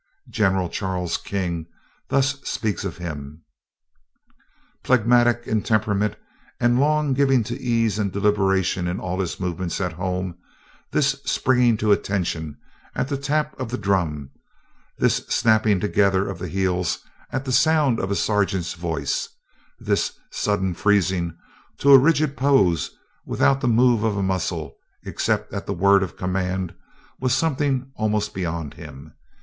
General Charles King thus speaks of him: "Phlegmatic in temperament and long given to ease and deliberation in all his movements at home, this springing to attention at the tap of the drum, this snapping together of the heels at the sound of a sergeant's voice, this sudden freezing to a rigid pose without the move of a muscle, except at the word of command, was something almost beyond him.